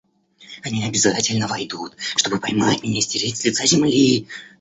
Они обязательно войдут, чтобы поймать меня и стереть с лица земли.